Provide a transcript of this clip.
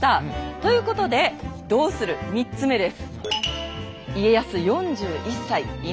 ということで「どうする⁉」３つ目です。